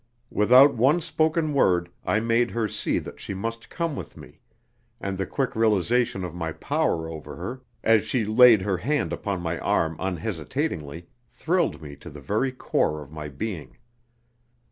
Without one spoken word I made her see that she must come with me, and the quick realisation of my power over her, as she laid her hand upon my arm unhesitatingly, thrilled me to the very core of my being.